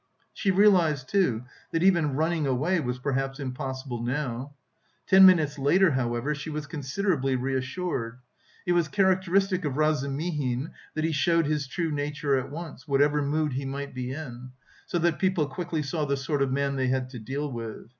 She realised, too, that even running away was perhaps impossible now. Ten minutes later, however, she was considerably reassured; it was characteristic of Razumihin that he showed his true nature at once, whatever mood he might be in, so that people quickly saw the sort of man they had to deal with.